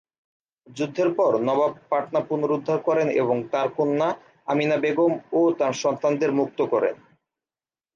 যুদ্ধের পর নবাব পাটনা পুনরুদ্ধার করেন এবং তাঁর কন্যা আমিনা বেগম ও তাঁর সন্তানদের মুক্ত করেন।